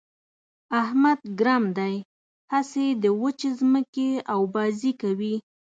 احمد ګرم دی؛ هسې د وچې ځمکې اوبازي کوي.